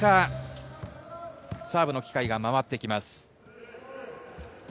そのあと石川、サーブの機会が回ってきます。